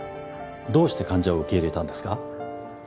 どうして患者を受け入れたんですか？